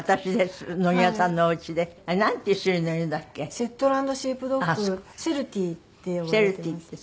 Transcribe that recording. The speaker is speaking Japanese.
シェットランド・シープドッグシェルティーって呼ばれています。